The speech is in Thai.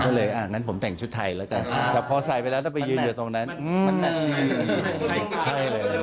ก็เลยอ่ะงั้นผมแต่งชุดไทยแล้วกันแต่พอใส่ไปแล้วถ้าไปยืนอยู่ตรงนั้นมันใช่เลย